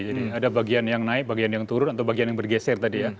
jadi ada bagian yang naik bagian yang turun atau bagian yang bergeser tadi ya